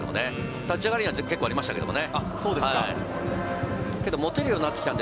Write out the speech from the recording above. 立ち上がりは結構ありましたけどね。